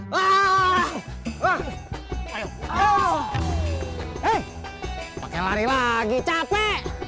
berangkat aduh motor pakai mogok segala lagi